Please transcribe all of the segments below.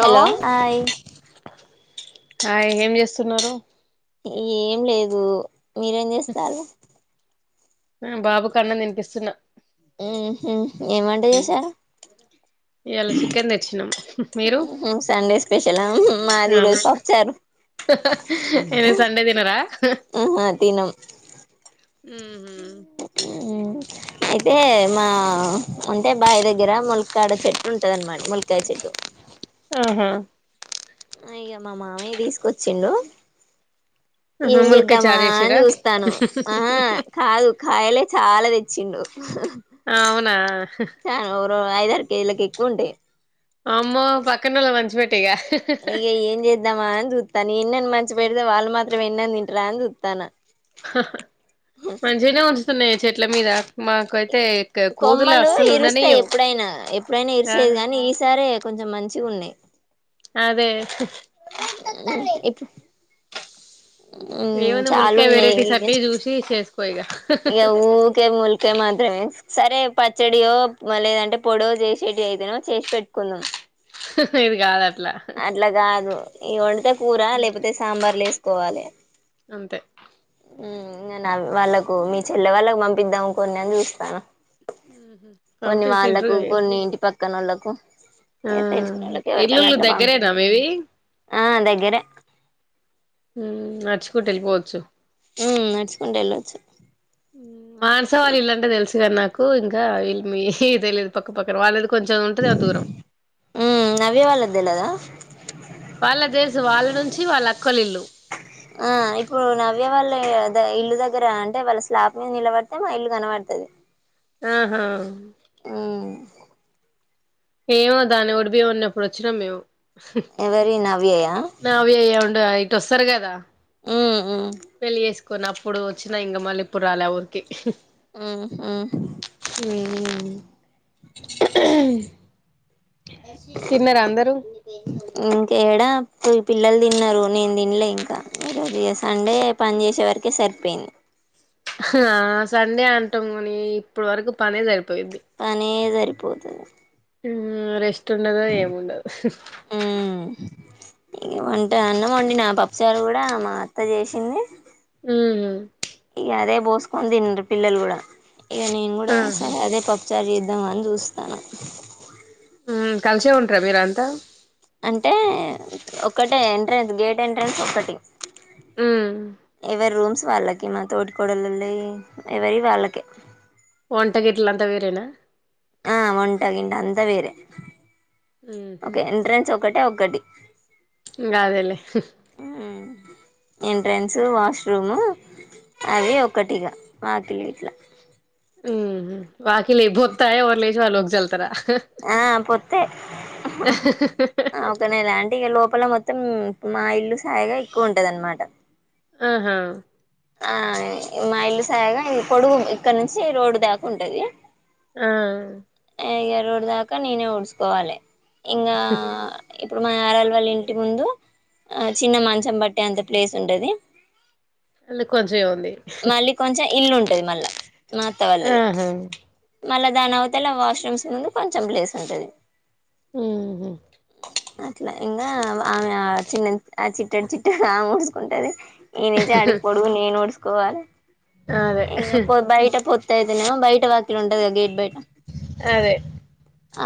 Hello hi hi ఏం చేస్తున్నారు ఏం లేదు మీరేం చేస్తారు ఆ బాబు కి అన్నం తనిపిస్తున్నా మ్మ్ హ్మ్ ఏం వంట చేశారు ఈయల చికెన్ తెచ్చినం సండే స్పెషల్ ఆ మాది ఈరోజు పప్పు చారు ఇగ సండే తినరా ఆహా తినం మ్మ్ ఉమ్ అయితే మా అంటే బాయి దగ్గర ముల్కాడ చెట్టు ఉంటది అనమాట ముల్కాయ చెట్టు ఆహా ఇగ మా మామయ్య తీసుకొచ్చిండు ఏం ములక్కాయ చేద్దామా చారు అని చేసిరా చూస్తాను ఆహా కాదు కాయలే చాలా తెచ్చ అవునా చ ఐదారు కేజీలకు ఎక్కువ ఉంటాయి అమ్మ పక్కనలకి పంచి పెట్టు ఇగ న నిన్నను మంచి పెడితే వాళ్ళు మాత్రం ఎన్న తింటారా అని చుతానా మంచిగానే ఉంచుతున్నాయి చెట్ల మీద మాకైతే కోతులు కొమ్మలు అస్సలు ఇరుస్తాయి ఉండనియ్యవు ఎప్పుడైనా ఎప్పుడైనా ఆ ఇరిసేది కానీ ఈసారే కొంచెం మంచి ఉన్నయి అదే ఇప్పుడు మ్మ్ ఏముంది ములక్కాయ వెరైటీస్ చాలున్నాయి అన్ని చూసి చేసుకో ఇగ ఇక ఊకే ముూల్కె మాత్రమే సరే పచ్చడియో లేదంటే పొడ చేసేటి అయితేనో చేసి పెట్టుకుందాం ఇది కాద అట్లా కాదు ఈ వడితే కూర లేకపోతే సాంబార్లు వేసుకోవాలే అంతే మ్మ్ నేను వాళ్ళలకు మీ చెల్లె వాళ్ళకు పంపిద్దాం కొన్ని అని చూస్తానా కొన్ని పంపి వాళ్ళలకు తింట్రుగా ఇగ కొన్ని ఇంటి పక్కన వాళ్ళలకు ఆ ఏకవర్ ఇల్లులు కన్నాట్లో దగ్గరేనా మీవి ఆ దగ్గరే నడుచుకుంట వెళ్ళి పోవచ్చు ఉమ్ నడుచుకుంటూ వెళ్ళొచ్చు మానస వాళ్ళ ఇల్లాంటా తెలుస్ నీ నాకు ఇంకాల్ ఏదిదు పక్క పక్కన వాళ్ళదో కొంచం ఉంటాడి ఆ దూరం ఉమ్ నవ్య వాళ్ళది తెలదా వాళ్ళ దేశ వాళ్ళనుంచి వాళ్ళ అక్కలిల్లు ఆ ఇప్పుడు నవ్య వాల్లే ఇల్లు దగ్గర అంటే వాళ్ళ స్లాప్ మీద నిలబడితే మా ఇల్లు కనబడుతుది ఆహా ఆ ఏమో దాని ఒడిబియ్యం వండిన్నపుడు వచ్చినాము మేము ఎవరి నవ్యయ నావి అ ఉండు ఇటు వస్తారు కదా ఉమ్ ఉమ్ పెళ్ళి చేసుకు కొన్నిప్పుడు వచ్చిన ఇంకా మళ్ళీ ఎప్పుడు రాలే ఊరికి ఆ ఆ ఉమ్ తిన్నర అందరూ ఇ పిల్లలు తిన్నారు నేను తిన్లే ఇంకా ఈరోజు సండే పని చేసే వరకే సరిపోయింది ఆ సండే అంటాముని ఇప్పుడు వరకు పనే జరిపు పని సరిపోతుంది రెస్ట్ ఉండదు ఏము ఉండదు ఇ వంటే అన్నమండి నా పప్పుసారు కూడా మా అత్త చేసింది మ్మ్ ఇగ అదే బోస్కోని తిన్నారు పిల్లలు కూడా ఇక నేను కూడా ఆహా అదే పప్పు చారు చేద్దామ అని చూస్తాను కలిసే ఉంటార మీరంతా అంటే ఒకటే ఎంట్రెన్స్ గేట్ ఎంట్రెన్స్ ఒకటి మ్మ్ ఎవరి రూమ్స్ వాళ్ళకి మా తొడికోడల్లు ఎవరి వాళ్ళకే వంట గీట్లాంతా వేరేనా ఆ వంటగింట అంతా వేరే మ్మ్ ఓకే ఎంట్రెన్స్ ఒకటే ఒక్కటి ఇంగ అదేలే ఉమ్ ఎంట్రెన్స్ వాష్రూమ్ అద ఒకటిగా వాకిలి ఇట్లా ఉమ్ వాకిలీ భతాయి వర్లేజవాలోకి జల్తార ఆ పొత్త్తతే అకనేలాంటి లోపల మొత్తం మొత్తం మా ఇల్లు సాయిగా ఎక్కువ ఉంటది అనమాట ఆహా ఆ మా ఇల్లు సాగా పొడుగు ఇక్కడ నుంచి రోడ్డు దాకా ఉంటది ఆ ఎ రోడ్ దాకా నేనే ఊడ్చుకోవాలి ఇంకా ఇప్పుడు మా ఎరాల వాళ్ళ ఇంటి ముందు ఆ చిన్న మంచం బట్టటి అంత ప్లేస్ ఉంటది ఇల్లేకువ మళ్ళీ కొంచెం ఇల్లు ఉంటది మళ్ళా మాత్త వల్ళది ఆహా మళ్ళా దాని అవతలా వాష్రూమ్స్ ముందు కొంచెం ప్లేస్ ఉంటంది మ్మ్ అట్లా ఇంగా ఆమె చిన్న ఆ చిట్టడు చిట్టాడు నా ముడుసుకుంటది నేనేతే అడిగిపోడువు నేను ఊడుుకోవాలి అదే ఇంగా పో బయట పోతాయి నవ బయట వ ఇక్కడ ఉంటది గేట్ బయట అదే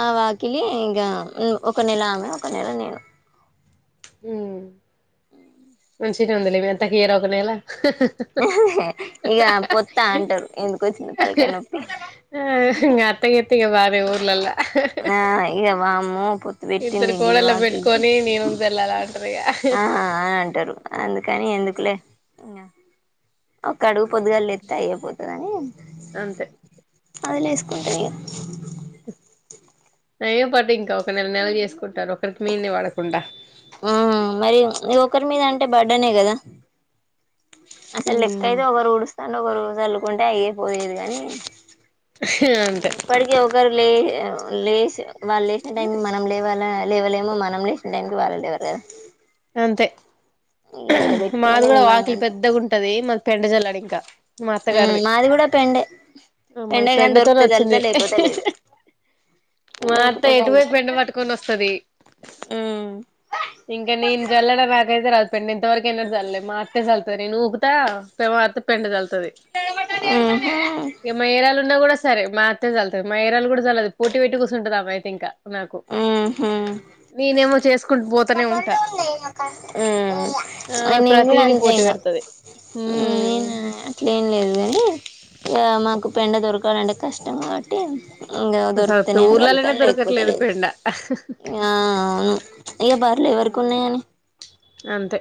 ఆ వాకిలి ఇంకా ఒక నెల ఆమె ఒక నెల నేను హ అ మంచిగా ఉంది లే ఎంత కీర ఒక నేలా ఇగ పొత్త అంటారు ఎందుకు వచ్చిన తలకై నొప్పి ఇం అత్తక అత్త వార ఊర్ల నా ఇక వామ్మో పొత్ పెట్టింది ఇద్దరు ఇగ కోడళ్ళ వాకితే పెట్టుకొని నేను జల్లాల అంటారు ఇగ ఆ అ అంటారు అందుకని ఎందుకులే ఇంగ ఒక్కడుగు పొద్దుగళ్ల లేత్తే అయ్యే పోతదని అంతే ఆయిలేసుకుంటది న ఏ పటు ఇంకా ఒక నెల నెల చేసుకుంటారు ఒకరికి మీల్ే పడకుండా హ్మ్మ్ మరి మీ ఒకరి మీదంటే బడ్డే నే కదా! అసలు లెక్క అయితే ఒకరు ఊడుస్తాం ఒకరు రోజు చల్లుకుంటే అయయిపోలేదు కాని అంతే ఇప్పటికీ ఒకరు లే యావ్ లేచావ్ వాళ్ళు లేచిన టైంకి మనం లేవాల, లేవలేము. మనం లేచిన టైంకి వాళ్ళు లేవలేరు. అంతే మాది పెట్టుకున్నది కూడా నిమ్మలంగా వాకిలి అంతే పెద్దగా ఉంటది మా పెండ జల్లాడు ఇంకా మా మ్ అత్తగారిది మాది కూడా పెండే అమ్మా ఈ పెండే గాని పెండతోనే దొరికితే చల్లుతా వచ్చింది లేకపోతే లేదు మాత్త దొరికితే ఎటువై చల్లుతా ఎండ పట్టుకొని వస్తుది ఉమ్ ఇంకా నన్ జల్లడా నాకైతే రావదు పండి ఇంతవరకు ఎన జల్లే మే చల్తది నను ఊగుతా త పెడు చల్తుది ఉహు ఇ మహరాలు ఉన్నా కూడా సరే మాత్రే చల్తుంది మాహరాలు కూడా చల్లదు పోటీ పెట్టు కూర్చుంటుదమ అయితే ఇంకా నాకు నేనేమో చేసుకుంటా హ్మ్మ్ ఆమె నేను కూడా ప్రతిదీ అంతే పోటీ ఇగ పెడతది ఉమ్ నేనా అట్లేం లేదు, కాని ఇక మాకు పెంట దొరకాలంటే కష్టం కాబట్టి ఇంకా అసలు దొరుకుతేనే ఊర్లలోనే చల్లుతాను, లేకపోతే దొరకట్లేదు లేదు పెండ ఇంగా ఇగ బర్లెవరి కున్నయని అంతే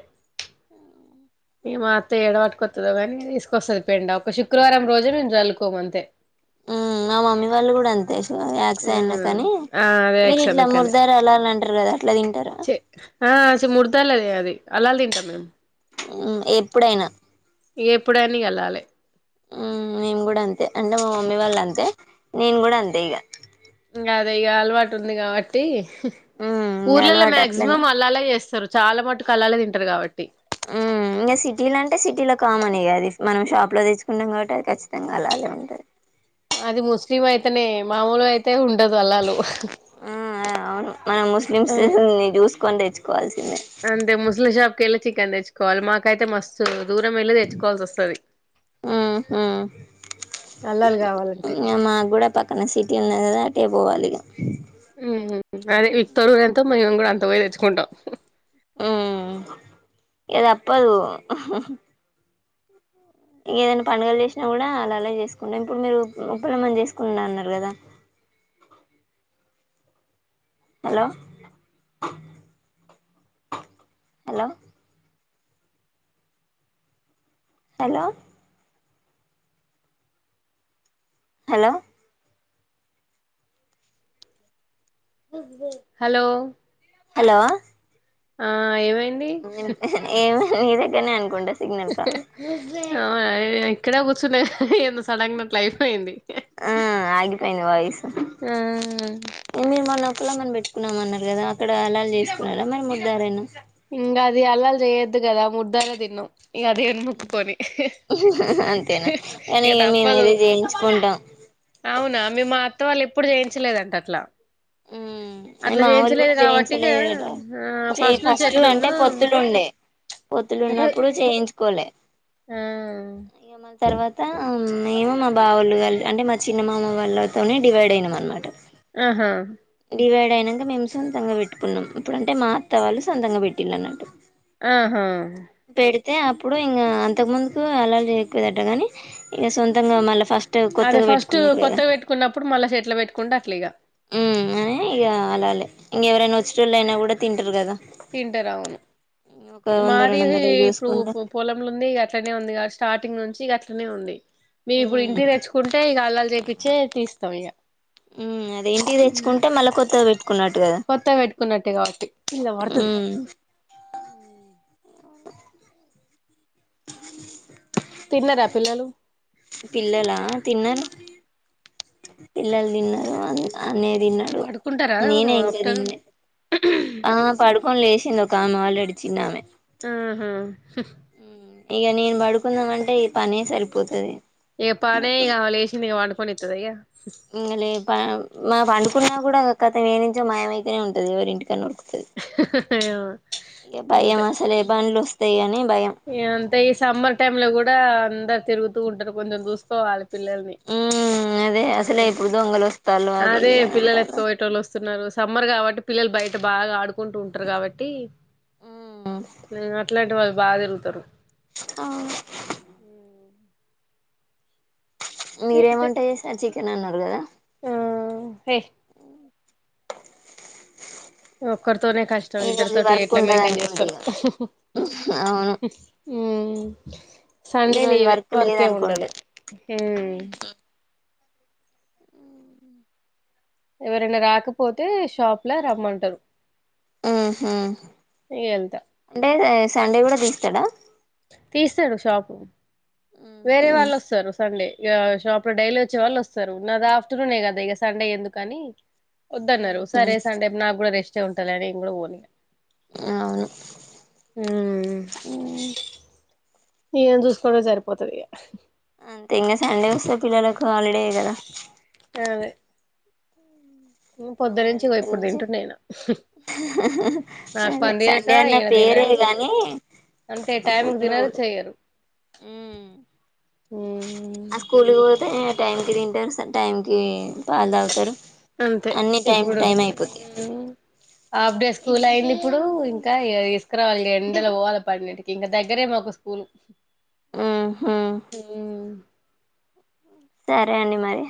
ఈ మాత్త ఎడవాటుకొతుదో కాగాని తీసుకొస్తది పెండ ఒక శుక్రవారం రోజే మేము చల్లువుకోము అంతే హ్మ్మ్ మా మమ్మీ వాళ్ళు గూడా అంతే యాక్స అనా హ్మ్ కానీ ఆ అదే మీరు ఇట్లా ఎక్సర్లకనే [unintelligible] అలా అంటారు కదా అట్లా తింటరా? ఛీ ఆ అ ముడతలేద అది అల్లాి తింటాం మేము హ్మ్మ్ ఎప్పుడైనా ఎప్పుడన్న వెళ్ళాలి ఉమ్ మేము గూడా అంతే అంటే మా మమ్మీ వాళ్ళంతే. నేను గూడా అంతే ఇగ ఇంగ ఇగ అలవాటుంది కాబట్టి ఊర్లల్లో అలవాటు అట్లనే మాక్సిమం అలల చేస్తరు. చాలా మట్టుకు అళ్ళాలే తింటరు కాబట్టి ఇంగ సిటీలో అంటే సిటీలో కామన్ ఇగ అది. మనం షాప్ లో తెచ్చుకుంటాం కాబట్టి అది ఖచ్చితంగా అలాగే ఉంటది. అది ముస్లిం అయితేనే మామూలు అయితే ఉండదు. అల్లాలు ఆ ఆ అవును మనం ముస్లిమ్స్ నీ చూసుకొని తెచ్చుకోవాలిసి అంతే ముసలి షాప్కి వెళ్ళి చికెన్ తెచ్చుకోవాలి మాకైతే మస్తు దూరమెల్లి తెచ్చుకోవాల్సి వస్తది ఊహు అల్లాలు కావాలంటే ఇంగ మాక్కూడా పక్కన సిటీ ఉంది కదా! ఇగ పోవాలిగా అదే ఇ తరుగుర ఎంతో మేము కూడా అంత పోయి తెచ్చుకుంటాం హ్మ్మ్ ఇగ తప్పదు. ఇగేదైనా పండగలు చేసినా కూడా అలలా చేసుకుంటా. ఇప్పుడు మీరు ముప్పలమ్మని చేసుకున్నా అన్నరు కదా! అ hello hello hello hello hello hello ఆ ఏవై ఏమో నీ దగ్గరనే అనుకుంటా సిగ్నల్ ప్రాబ్లమ్ అవునా ఇక్కడే కూర్చుండే ఎంత సడెన్ గా అట్లా అయిపోయింది ఆ ఆగిపోయింది వాయిసు ఆ మీరు మొన్న వకుళం అని పెట్ ఉన్నాం అన్నారు కదా అక్కడ హలాల్ చేసుకున్నారా మరి మీదాఎరైనా ఇంగ అది అల్లాలు చేయొద్దు కదా ముద్ధాలే తిన్నం ఇగ దేవుని ముక్కుకొని అంతేనా కానీ ఇక ఇగ తప్పదు మేమైతే చేయించుకుంటాం అవునా మీ మా అత్త వాళ్ళు ఎప్పుడు చేయించలేదంట అట్లా ఉమ్ అట్ల మావోలు చేయించలేదు కూడా కాబట్టి ఇగా ఆ ఫస్ట్ నుంచె డు అంటే పొత్తులు ఉండే పొత్తులు ఉన్నప్పుడు చేయించుకోలే ఆ ఇగ మా తర్వాత అమ్ మేము మా బావోల్లు కాలి అంటే మా చిన్నమామ వాళ్ళతోనే డివైడ్ అయినాం అనమాట ఆహా డివైడ్ అయినంక మేము సొంతంగా పెట్టుకున్నం ఇప్పుడు అంటే మా అత్తవాళ్ళు సొంతంగా పెట్టిళ్ళు అన్నట్టు ఆహా తే అప్పుడు ఇంగా అంతకు ముందుకు అలాల్ చేయకపోయేదట కానీ ఇంక సొంతంగా మళ్ళ ఫస్ట్ అదే కొత్తగా ఫస్ట్ పెట్టుకున్నారు కదా కొత్తగా పెట్టుకున్నప్పుడు మళ్ళ ఎట్ల పెట్టుకుంటే అట్ల ఇగ ఊ అని ఇగ అలాలే ఇంకెవరైనా వచ్చేటోళ్ళు అయినా కూడా తింటారు కదా తింటరు అవును ఒక వంద రెండు మాదేహి వందలవి ఇప్పుడు చూసుకుంటా పొ పొలంలో ఉంది అట్లనే ఉందిగా స్టార్ట్ టింగ్ నుంచి ఇగ అట్లనే ఉంది మేము ఇప్పుడు ఇంటికి తెచ్చుకుంటే ఇగ అలాల్ చేపిచ్చే తీస్తాం ఇగ ఊమ్ అది ఇంటికి తెచ్చుకుంటే మళ్ళా కొత్త పెట్టుకున్నట్టు కదా కొత్తగా పెట్టుకున్నట్టే కాబట్టి ఇల్ల పడుతది ఊమ్ [inaudible] తిన్నరా పిల్లలు పిల్లలా తిన్నరు పిల్లలు తిన్నరు అన్ అన్నయ్య తిన్నాడు పడుకుంటారా నేనే ఇంకా ఆఫ్టర్నూన్ తిన్లే ఆ పడుకోని లేసి తిన్న ఒక ఆమె ఆల్రెడీ చిన్నామె ఆహా ఊ ఇగ నేను పడుకుందం అంటే ఈ పనే సరిపోతది ఇగ పనే ఇగ ఆమె లేసింది ఇగ పండుకోనిత్తదా ఇగ ఇంగ లేపా మా పండుకున్నా కూడా కతం ఏన్నుంచో మాయమయితేనే ఉంటది ఎవరి ఇంటికన్నా ఉరుకు ఏమో ఇగ భయం అంతే అసలే బండ్లు వస్తాయ్ అని భయం ఇగ అంతే ఈ సమ్మర్ టైమ్ లో కూడా అందరు తిరుగుతూ ఉంటారు కొంచెం చూసుకోవాలి పిల్లల్ని ఉమ్ అదే అసలే ఇప్పుడు దొంగలు వస్తాళ్ళు ఆ అది అదే ఇది అని పిల్లలు అంటారు ఎత్తుకబోయెటోళ్ళు వస్ స్తున్నారు సమ్మర్ కాబట్టి పిల్లలు బయట బాగా ఆడుకుంటూ ఉంటారు కాబట్టీ అట్లాంటి వాళ్ళు బాగా తిరుగుతారు అ మీరేం వంట చేసారు చికెన్ అన్నారు కదా. ఆ హే ఒక్కర్ తోనే కష్టం ఈ ఇద్దరి రోజు తోటి వర్క్ ఎట్లా ఉండదు మెయింటైన్ అనుకుంట చేస్తారో ఇగ అవును ఉమ్ ఈ సండే రోజు లీవే వర్క్ వర్కే లేదనుకుంటా ఉండదు హుమ్ ఊ ఎవరైనా రాకపోతే షాప్ లా రమ్మంటరు ఉహు వెళ్తా అంటే సండే కూడా తీస్తడా తీస్తడు షాపు వేరే వాళ్ళొస్తరు సండే ఇగ షాప్ లో డైలీ వచ్చే వాళ్ళొస్తరు నాద ఆఫ్టర్నూనే కదా ఇక సండే ఎందుకనీ వద్దన్నరు సరే సండే నా కూడా రెస్టే ఉంటదిలే నేను కూడ పోనిగ అవును మ్ ఇమెన్ చూసుకోడమే సరిపోతది ఇగ అంతే ఇంగ సండే వస్తే పిల్లలకు హాలిడే కదా అదే ఉమ్ ఇంగ మళ్ళ పొద్దనుంచి ఇగో రేపటి ఇప్పుడు నుంచి తింటుండు ఈన అదే సండే అన్న ఈయన పేరే తినడు గానీ అంతే టైంకు తినరూ చెయ్యరు. మ్మ్ ఆ స్కూల్ కి పోతే టైం కి తింటరు అసల్ టైంకి పాలు తాగుతరు అంతే అన్ని టైమ్ టు టైమ్ అయిపోతయి. ఆఫ్ డే స్కూల్ అయిందిప్పుడు. ఇంకా తీసుకరావాలి ఎండల పోవాల పండేన్నింటికి ఇంగ దగ్గరే మాకు స్కూల్ ఊ సరే అండి మరి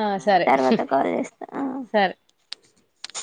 ఆ మళ్లి సరే తర్వాత కాల్ చేస్తా ఆ [inaudible]